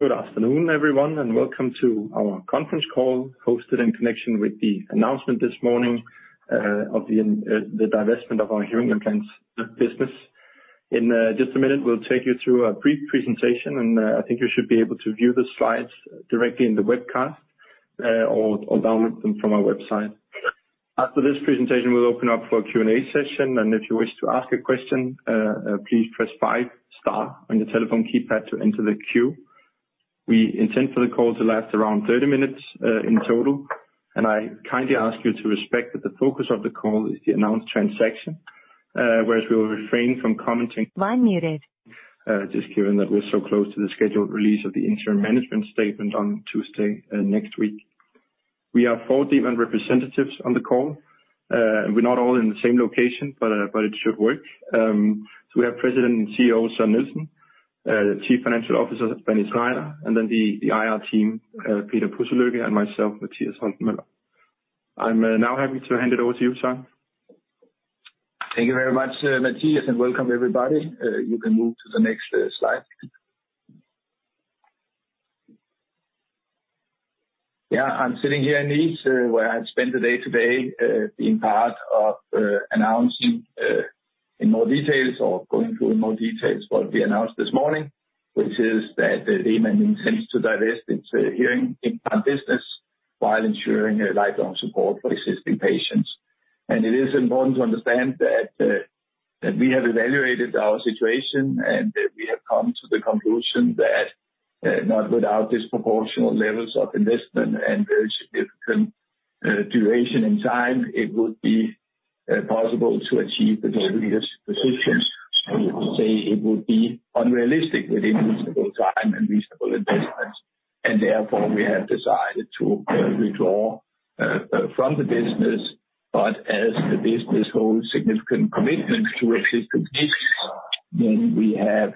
Good afternoon, everyone, and welcome to our conference call hosted in connection with the announcement this morning of the divestment of our hearing implants business. In just a minute, we'll take you through a brief presentation, and I think you should be able to view the slides directly in the webcast or download them from our website. After this presentation, we'll open up for a Q&A session, and if you wish to ask a question, please press five, star on your telephone keypad to enter the queue. We intend for the call to last around 30 minutes in total, and I kindly ask you to respect that the focus of the call is the announced transaction, whereas we will refrain from commenting. Line muted. Just given that we're so close to the scheduled release of the interim management statement on Tuesday, next week. We have four Demant representatives on the call. We're not all in the same location, but it should work. We have President and CEO, Søren Nielsen, Chief Financial Officer, René Schneider, and then the IR team, Peter Pudselykke, and myself, Mathias Holten Møller. I'm now happy to hand it over to you, sir. Thank you very much, Mathias, and welcome everybody. You can move to the next slide. Yeah, I'm sitting here in Nice where I spent the day today, being part of announcing in more details or going through in more details what we announced this morning, which is that Demant intends to divest its hearing implant business while ensuring a lifelong support for existing patients. It is important to understand that we have evaluated our situation, and we have come to the conclusion that not without disproportional levels of investment and very significant duration in time, it would be possible to achieve the global leader's position. So to say, it would be unrealistic within reasonable time and reasonable investments, and therefore, we have decided to withdraw from the business. As the business holds significant commitments to existing patients, then we have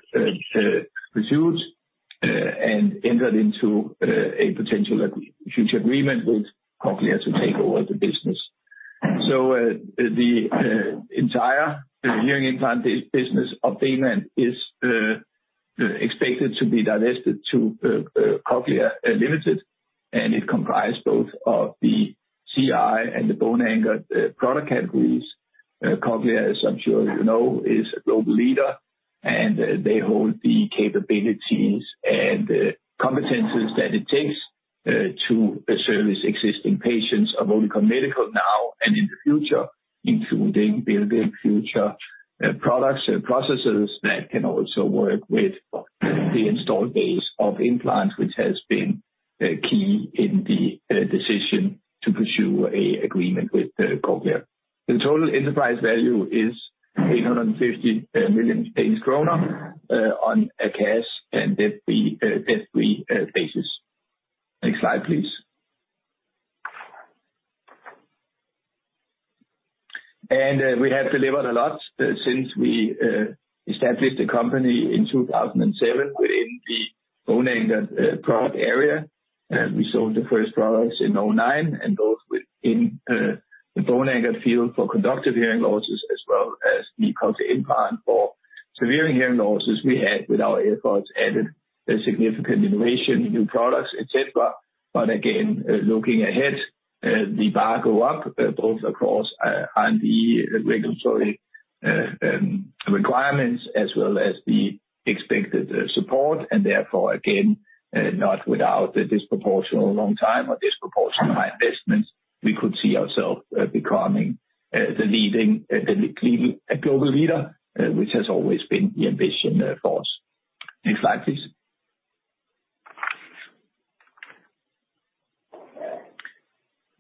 pursued and entered into a potential future agreement with Cochlear to take over the business. The entire hearing implant business of Demant is expected to be divested to Cochlear Limited, and it comprise both of the CI and the bone anchored product categories. Cochlear, as I'm sure you know, is a global leader, and they hold the capabilities and competences that it takes to service existing patients of Oticon Medical now and in the future, including building future products and processes that can also work with the installed base of implants, which has been key in the decision to pursue a agreement with Cochlear. The total enterprise value is 850 million Danish kroner on a cash and debt-free basis. Next slide, please. We have delivered a lot since we established the company in 2007 within the bone-anchored product area. We sold the first products in 2009, and those within the bone-anchored field for conductive hearing losses, as well as the cochlear implant for severe hearing losses. We have, with our efforts, added a significant innovation, new products, etc. Looking ahead, the bar goes up both across R&D, regulatory requirements as well as the expected support, and therefore, again, not without a disproportionately long time or disproportionately high investments, we could see ourselves becoming a global leader, which has always been the ambition for us. Next slide, please.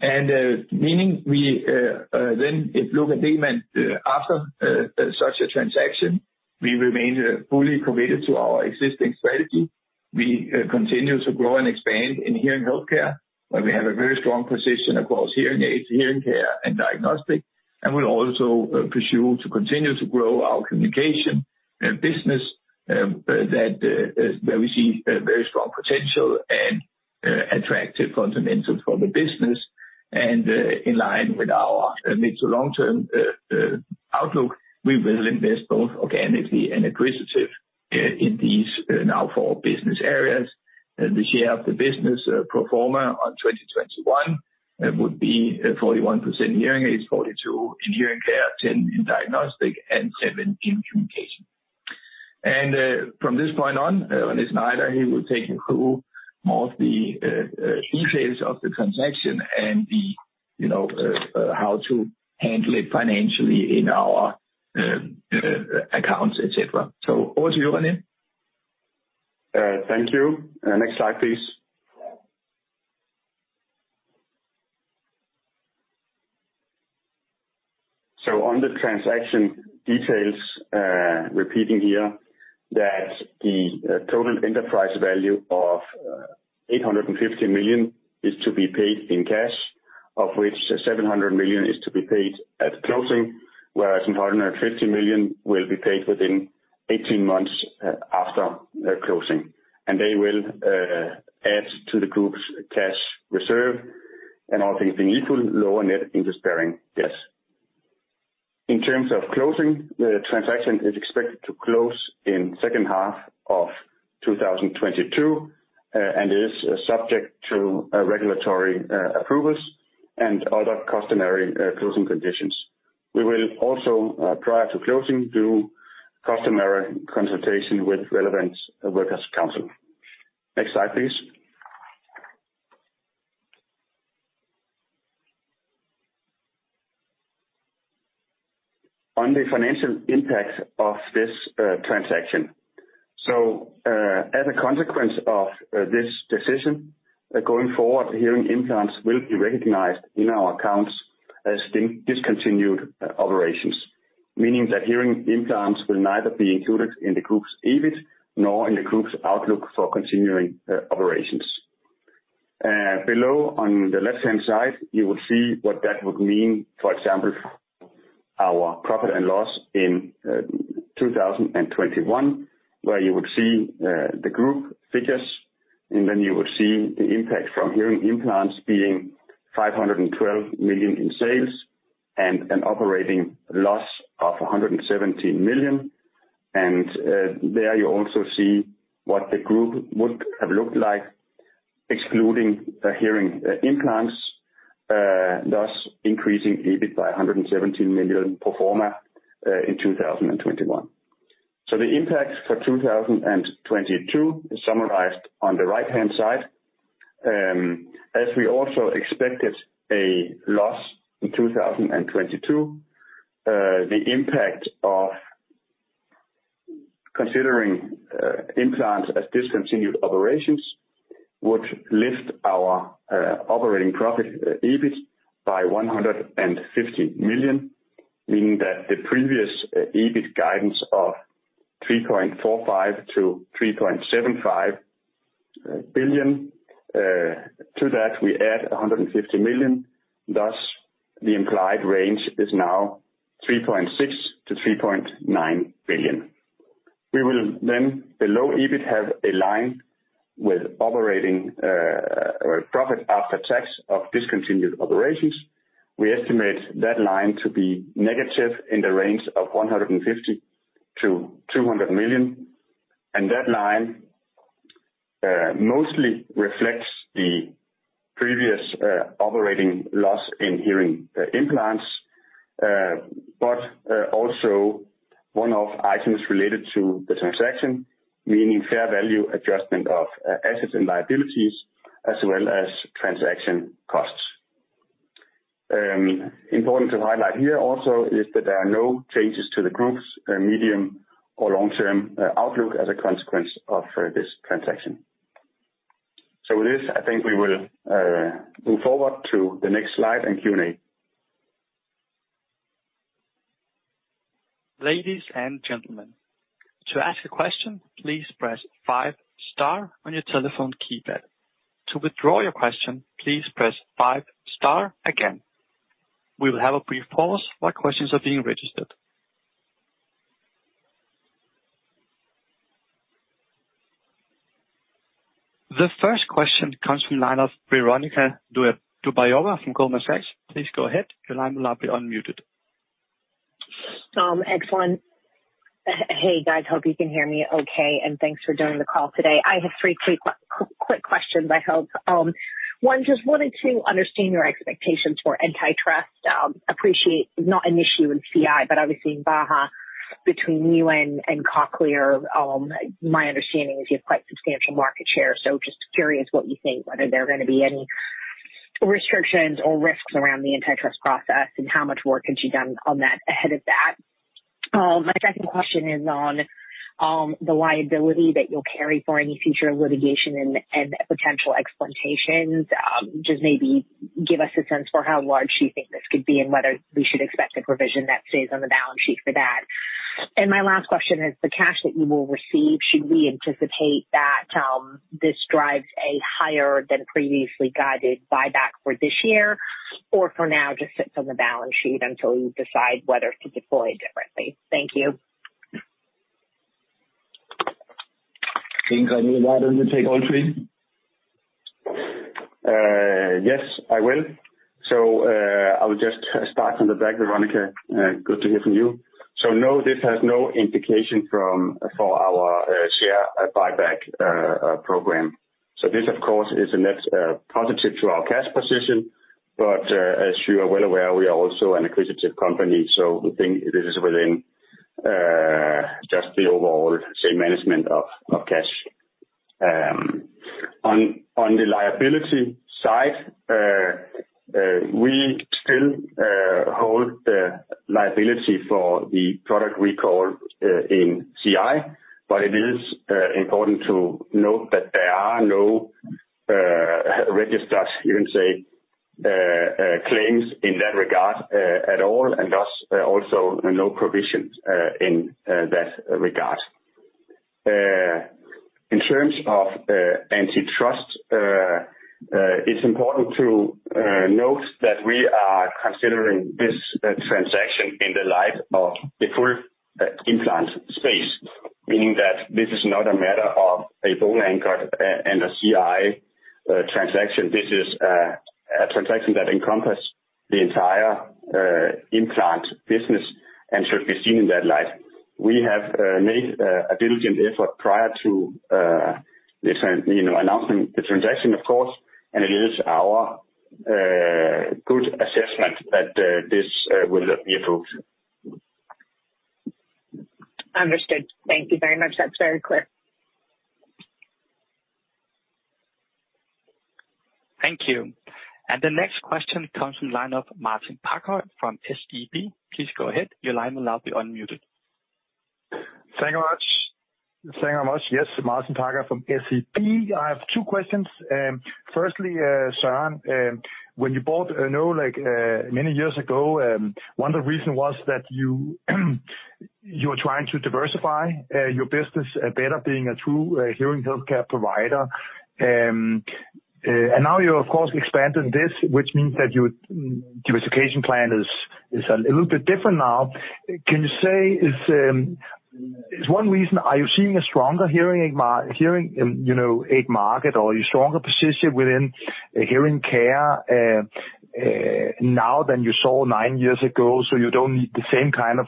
Meaning we then, if we look at Demant after such a transaction, we remain fully committed to our existing strategy. We continue to grow and expand in hearing healthcare, where we have a very strong position across hearing aids, hearing care, and diagnostics. We'll also pursue to continue to grow our communication business, where we see a very strong potential and attractive fundamentals for the business. In line with our mid to long-term outlook, we will invest both organically and acquisitive in these now four business areas. The share of the business pro forma on 2021, it would be 41% hearing aids, 42% in hearing care, 10% in diagnostic, and 7% in communication. From this point on, René Schneider here will take you through most of the details of the transaction and the, you know, how to handle it financially in our accounts, etc. Over to you, René. Thank you. Next slide, please. On the transaction details, repeating here that the total enterprise value of 850 million is to be paid in cash, of which 700 million is to be paid at closing, whereas 250 million will be paid within 18 months after the closing. They will add to the group's cash reserve and all things being equal, lower net interest-bearing debt. In terms of closing, the transaction is expected to close in second half of 2022, and is subject to regulatory approvals and other customary closing conditions. We will also, prior to closing, do customary consultation with relevant works council. Next slide, please. On the financial impact of this transaction. As a consequence of this decision, going forward, hearing implants will be recognized in our accounts as the discontinued operations, meaning that hearing implants will neither be included in the group's EBIT nor in the group's outlook for continuing operations. Below, on the left-hand side, you will see what that would mean, for example, our profit and loss in 2021, where you will see the group figures, and then you will see the impact from hearing implants being 512 million in sales and an operating loss of 117 million. There you also see what the group would have looked like excluding the hearing implants, thus increasing EBIT by 117 million pro forma in 2021. The impact for 2022 is summarized on the right-hand side. As we also expected a loss in 2022, the impact of considering implants as discontinued operations would lift our operating profit, EBIT, by 150 million, meaning that the previous EBIT guidance of 3.45 billion-3.75 billion, to that we add 150 million. Thus, the implied range is now 3.6 billion-3.9 billion. We will then, below EBIT, have a line with operating profit after tax of discontinued operations. We estimate that line to be negative in the range of 150-200 million, and that line mostly reflects the previous operating loss in hearing implants. also one-off items related to the transaction, meaning fair value adjustment of assets and liabilities as well as transaction costs. Important to highlight here also is that there are no changes to the group's medium or long-term outlook as a consequence of this transaction. With this, I think we will move forward to the next slide and Q&A. Ladies and gentlemen, to ask a question, please press five star on your telephone keypad. To withdraw your question, please press five star again. We will have a brief pause while questions are being registered. The first question comes from line of Veronika Dubajova from Goldman Sachs. Please go ahead. Your line will now be unmuted. Excellent. Hey, guys, hope you can hear me okay. Thanks for doing the call today. I have three quick questions, I hope. One, just wanted to understand your expectations for antitrust. Appreciate it's not an issue in CI, but obviously in Baha between you and Cochlear. My understanding is you have quite substantial market share, so just curious what you think, whether there are gonna be any restrictions or risks around the antitrust process and how much work has you done on that, ahead of that. My second question is on the liability that you'll carry for any future litigation and potential exposures. Just maybe give us a sense for how large do you think this could be, and whether we should expect a provision that stays on the balance sheet for that. My last question is the cash that you will receive, should we anticipate that, this drives a higher than previously guided buyback for this year? Or for now just sits on the balance sheet until you decide whether to deploy differently? Thank you. I think, Andreas, you take all three. Yes, I will. I will just start from the back, Veronica. Good to hear from you. No, this has no indication for our share buyback program. This, of course, is a net positive to our cash position. As you are well aware, we are also an acquisitive company, so we think this is within just the overall, say, management of cash. On the liability side, we still hold the liability for the product recall in CI. It is important to note that there are no registered, you can say, claims in that regard at all, and thus also no provisions in that regard. In terms of antitrust, it's important to note that we are considering this transaction in the light of the full implant space. Meaning that this is not a matter of a bone anchor and a CI transaction. This is a transaction that encompass the entire implant business and should be seen in that light. We have made a diligent effort prior to this, you know, announcement, the transaction, of course, and it is our good assessment that this will be approved. Understood. Thank you very much. That's very clear. Thank you. The next question comes from line of Martin Parkhøi from SEB. Please go ahead. Your line will now be unmuted. Thank you very much. Yes, Martin Parkhøi from SEB. I have two questions. Firstly, Søren, when you bought, I know, like, many years ago, one of the reason was that you were trying to diversify your business better being a true hearing healthcare provider. Now you, of course, expanded this, which means that your diversification plan is a little bit different now. Can you say is one reason are you seeing a stronger hearing aid hearing, you know, aid market, or are you stronger position within hearing care now than you saw nine years ago, so you don't need the same kind of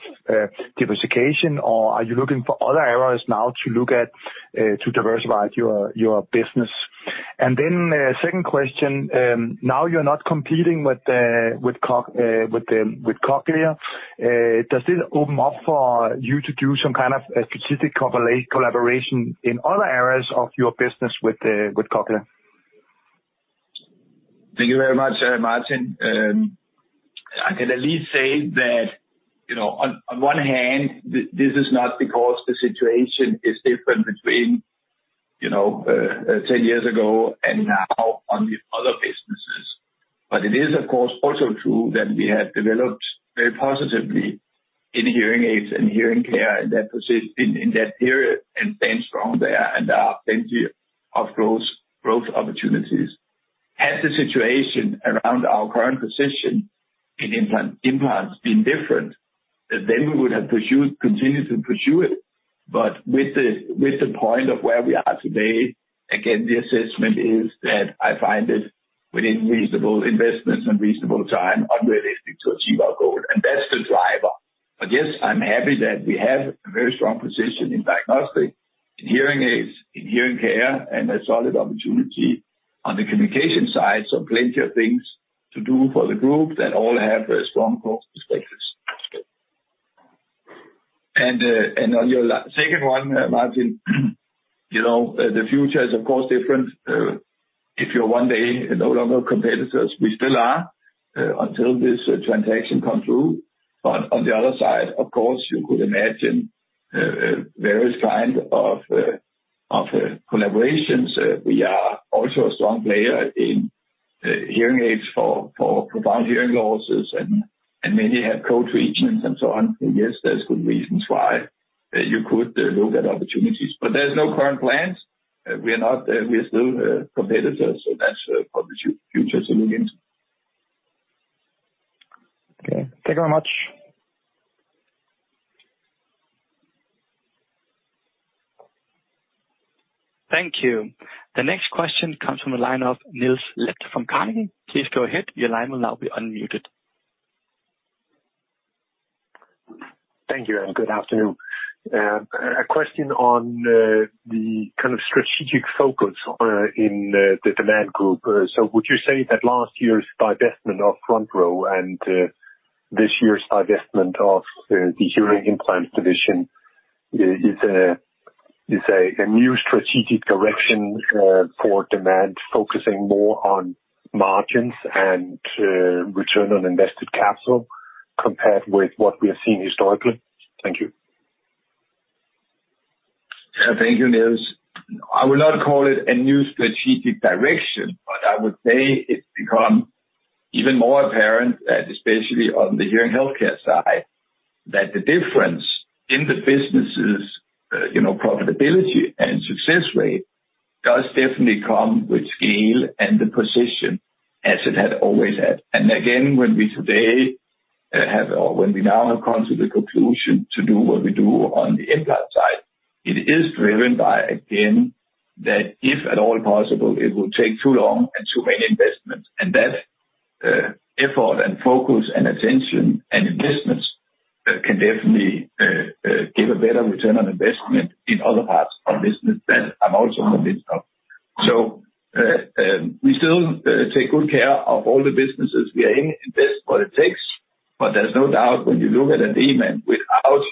diversification or are you looking for other areas now to look at to diversify your business? Second question, now you're not competing with Cochlear, does this open up for you to do some kind of a strategic collaboration in other areas of your business with Cochlear? Thank you very much, Martin. I can at least say that, you know, on one hand, this is not because the situation is different between, you know, ten years ago and now on the other businesses. It is, of course, also true that we have developed very positively in hearing aids and hearing care in that period and staying strong there. There are plenty of growth opportunities. Had the situation around our current position in implants been different, then we would have continued to pursue it. With the point of where we are today, again, the assessment is that I find it within reasonable investments and reasonable time unrealistic to achieve our goal. That's the driver. Yes, I'm happy that we have a very strong position in diagnostic, in hearing aids, in hearing care, and a solid opportunity on the communication side. Plenty of things to do for the group that all have strong growth perspectives. On your second one, Martin, the future is of course different if you're one day no longer competitors. We still are until this transaction comes through. On the other side, of course, you could imagine various kind of collaborations. We are also a strong player in hearing aids for profound hearing losses and many have co-treatments and so on. Yes, there's good reasons why you could look at opportunities, but there's no current plans. We are still competitors, so that's for the future solutions. Okay. Thank you very much. Thank you. The next question comes from the line of Niels Granholm-Leth from Carnegie. Please go ahead. Your line will now be unmuted. Thank you, and good afternoon. A question on the kind of strategic focus in the Demant Group. Would you say that last year's divestment of FrontRow and this year's divestment of the hearing implant division is a new strategic direction for Demant focusing more on margins and return on invested capital compared with what we have seen historically? Thank you. Thank you, Niels. I would not call it a new strategic direction, but I would say it's become even more apparent, especially on the hearing healthcare side, that the difference in the businesses', you know, profitability and success rate does definitely come with scale and the position as it had always had. When we today have or when we now have come to the conclusion to do what we do on the implant side, it is driven by, again, that if at all possible, it will take too long and too many investments. That effort and focus and attention and investments can definitely give a better return on investment in other parts of business that I'm also convinced of. We still take good care of all the businesses. We are investing what it takes, but there's no doubt when you look at a Demant without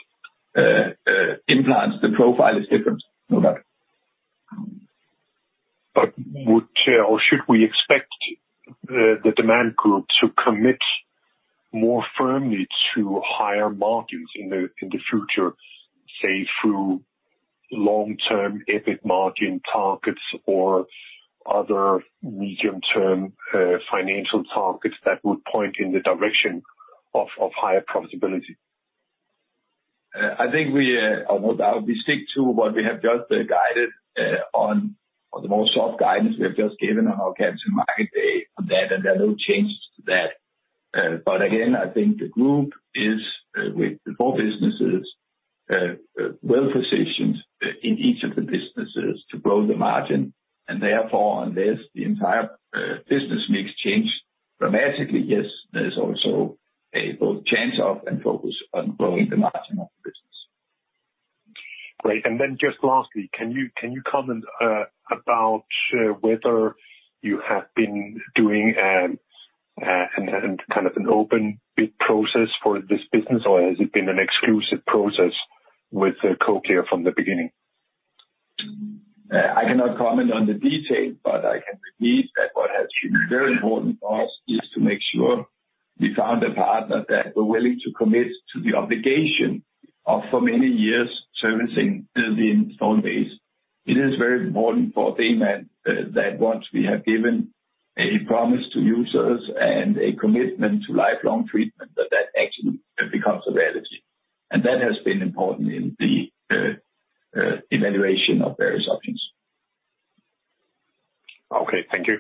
implants, the profile is different. No doubt. Would or should we expect the Demant Group to commit more firmly to higher margins in the future, say, through long-term EBIT margin targets or other medium-term financial targets that would point in the direction of higher profitability? I think, no doubt, we stick to what we have just guided on the softer guidance we have just given on our Capital Markets Day on that, and there are no changes to that. Again, I think the group is with the four businesses well-positioned in each of the businesses to grow the margin and therefore, unless the entire business mix change dramatically, yes, there is also a both chance of and focus on growing the margin of the business. Great. Just lastly, can you comment about whether you have been doing kind of an open bid process for this business, or has it been an exclusive process with Cochlear from the beginning? I cannot comment on the detail, but I can repeat that what has been very important for us is to make sure we found a partner that we're willing to commit to the obligation of for many years servicing the installed base. It is very important for Demant that once we have given a promise to users and a commitment to lifelong treatment, that actually becomes a reality. That has been important in the evaluation of various options. Okay, thank you.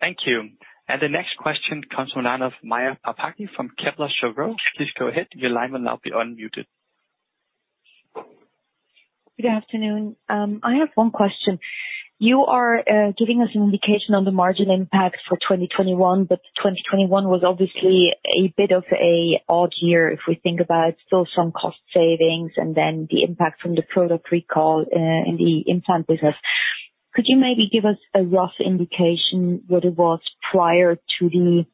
Thank you. The next question comes from the line of Maja Pataki from Kepler Cheuvreux. Please go ahead. Your line will now be unmuted. Good afternoon. I have one question. You are giving us an indication on the margin impact for 2021, but 2021 was obviously a bit of an odd year, if we think about still some cost savings and then the impact from the product recall in the implant business. Could you maybe give us a rough indication what it was prior to the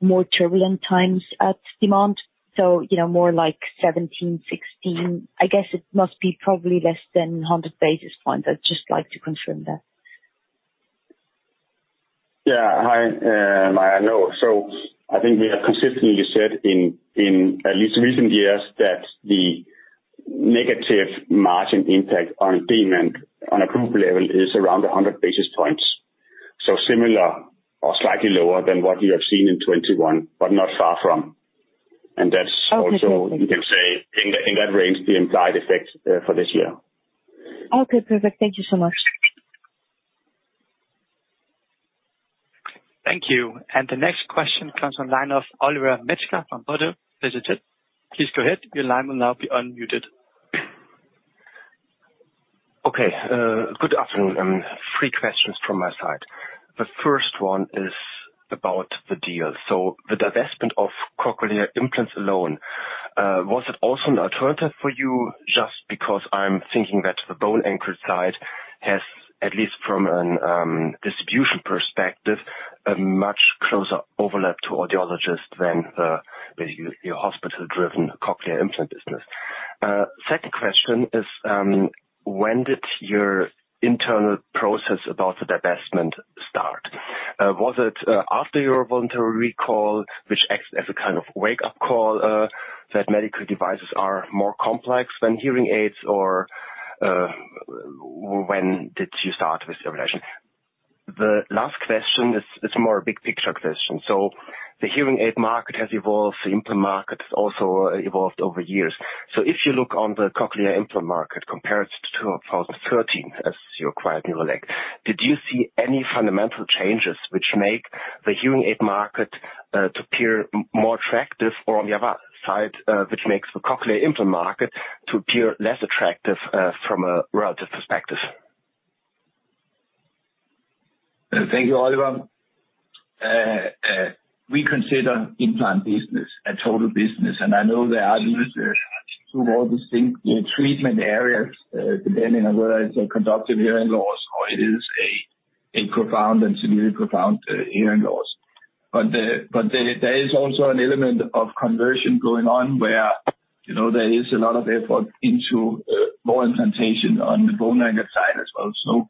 more turbulent times at Demant? You know, more like 17, 16. I guess it must be probably less than 100 basis points. I'd just like to confirm that. Hi, Maja. I think we have consistently said in at least recent years that the negative margin impact on Demant on a group level is around 100 basis points. Similar or slightly lower than what you have seen in 2021, but not far from. Okay. That's also you can say, in that range, the implied effect for this year. Okay, perfect. Thank you so much. Thank you. The next question comes from the line of Oliver Metzger from ODDO BHF. Please go ahead. Your line will now be unmuted. Okay. Good afternoon. Three questions from my side. The first one is about the deal. The divestment of Cochlear implants alone was it also an alternative for you? Just because I'm thinking that the bone-anchored side has, at least from an distribution perspective, a much closer overlap to audiologists than the hospital-driven Cochlear implant business. Second question is when did your internal process about the divestment start? Was it after your voluntary recall, which acts as a kind of wake-up call that medical devices are more complex than hearing aids? Or when did you start with the evaluation? The last question is more a big picture question. The hearing aid market has evolved. The implant market has also evolved over years. If you look at the cochlear implant market compared to 2013 as you acquired Neurelec, did you see any fundamental changes which make the hearing aid market to appear more attractive? Or on the other side, which makes the cochlear implant market to appear less attractive from a relative perspective. Thank you, Oliver. We consider implant business a total business, and I know there are differences through all distinct treatment areas, depending on whether it's a conductive hearing loss or it is a profound and severely profound hearing loss. There is also an element of conversion going on where, you know, there is a lot of effort into more implantation on the bone anchored side as well.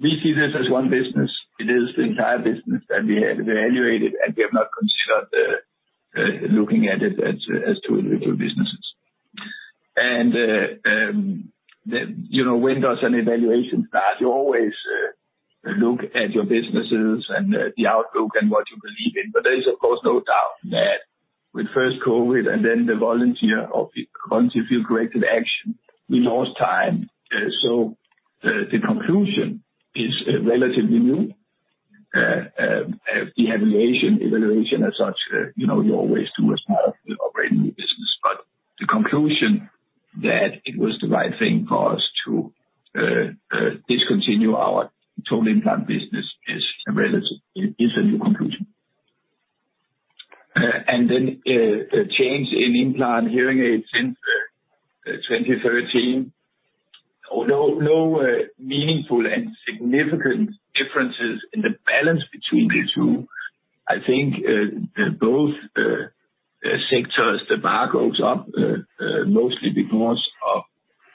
We see this as one business. It is the entire business that we evaluated, and we have not considered looking at it as two individual businesses. You know, when does an evaluation start? You always look at your businesses and the outlook and what you believe in. There is, of course, no doubt that with first COVID and then the voluntary recall and the corrective action, we lost time. The conclusion is relatively new. The evaluation as such, you know, you always do as part of operating your business. The conclusion that it was the right thing for us to discontinue our total implant business is relatively new. It's a new conclusion. The change in implants and hearing aids since 2013, no meaningful and significant differences in the balance between the two. I think both sectors, the bar goes up mostly because of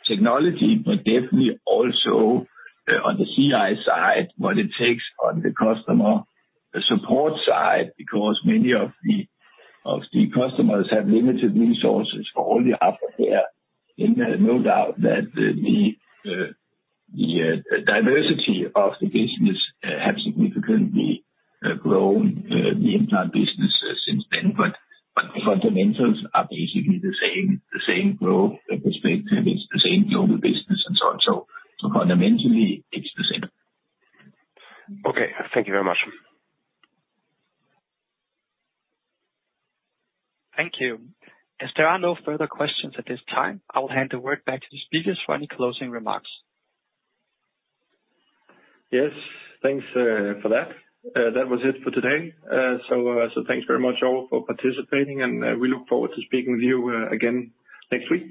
technology, but definitely also on the CI side, what it takes on the customer support side, because many of the customers have limited resources for all the aftercare. No doubt that the diversity of the business has significantly grown the implant business since then. The fundamentals are basically the same, the same growth perspective. It's the same global business and so on. Fundamentally, it's the same. Okay. Thank you very much. Thank you. As there are no further questions at this time, I will hand the word back to the speakers for any closing remarks. Yes, thanks for that. That was it for today. So thanks very much all for participating, and we look forward to speaking with you again next week.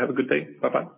Have a good day. Bye-bye.